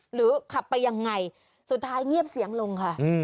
หรือขับไปยังไงสุดท้ายเงียบเสียงลงค่ะ